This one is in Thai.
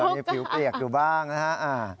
มีผิวเปียกอยู่บ้างนะฮะ